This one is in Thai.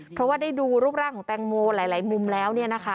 เพราะว่าได้ดูรูปร่างของแตงโมหลายมุมแล้วเนี่ยนะคะ